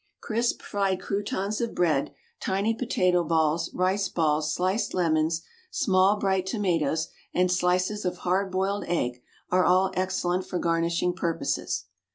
Crisp, fried croutons of bread, tiny potato balls, rice balls, sliced lemons, small bright tomatoes, and slices of hard boiled egg, are all excellent for garnishing purposes.